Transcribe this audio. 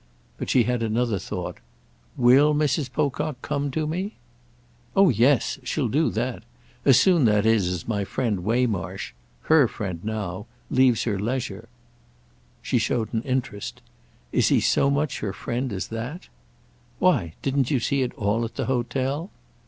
But she had another thought. "Will Mrs. Pocock come to me?" "Oh yes—she'll do that. As soon, that is, as my friend Waymarsh—her friend now—leaves her leisure." She showed an interest. "Is he so much her friend as that?" "Why, didn't you see it all at the hotel?"